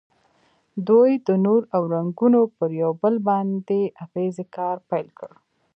دوی د نور او رنګونو پر یو بل باندې اغیزې کار پیل کړ.